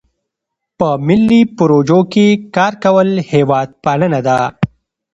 په ملي پروژو کې کار کول هیوادپالنه ده.